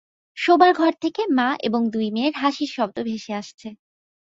শোবার ঘর থেকে মা এবং দুই মেয়ের হাসির শব্দ ভেসে আসছে।